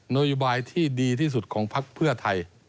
โยบายที่ดีที่สุดของพักเพื่อไทย